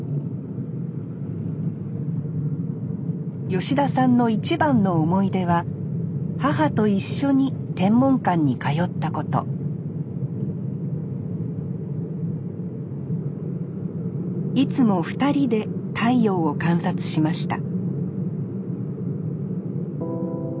吉田さんの一番の思い出は母と一緒に天文館に通ったこといつも２人で太陽を観察しました